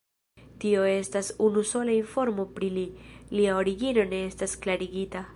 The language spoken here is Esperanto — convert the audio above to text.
Tio estas unusola informo pri li, lia origino ne estas klarigita.